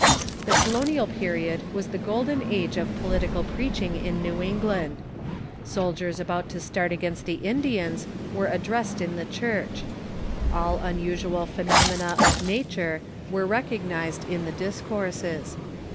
The colonial period was the golden age of political preaching in New England. Soldiers about to start against the Indians were addressed in the church. All unusual jihenomena of nature Avere recog nized in the discourses.